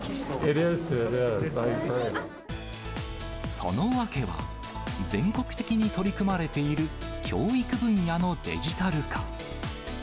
その訳は、全国的に取り組まれている教育分野のデジタル化。